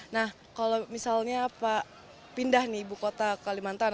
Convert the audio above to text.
nah kalau misalnya pak pindah nih ibu kota kalimantan